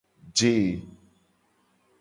Je.